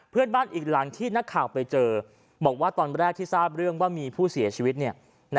เพื่อนบ้านอีกหลังที่นักข่าวไปเจอบอกว่าตอนแรกที่ทราบเรื่องว่ามีผู้เสียชีวิต